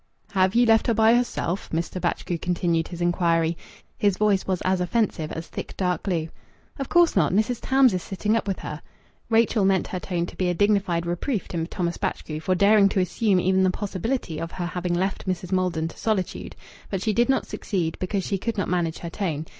"Have ye left her by herself?" Mr. Batchgrew continued his inquiry. His voice was as offensive as thick dark glue. "Of course not! Mrs. Tams is sitting up with her." Rachel meant her tone to be a dignified reproof to Thomas Batchgrew for daring to assume even the possibility of her having left Mrs. Maldon to solitude. But she did not succeed, because she could not manage her tone.